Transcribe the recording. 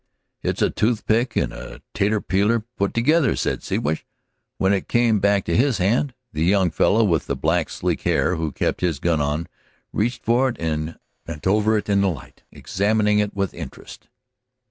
"It's a toothpick and a tater peeler put together," said Siwash, when it came back to his hand. The young fellow with the black, sleek hair, who kept his gun on, reached for it, bent over it in the light, examining it with interest.